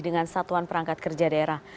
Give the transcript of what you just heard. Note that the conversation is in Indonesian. dengan satuan perangkat kerja daerah